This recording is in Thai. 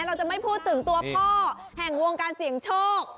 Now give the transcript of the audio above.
เราจะไม่พูดถึงตัวพ่อแห่งวงการเสี่ยงโชค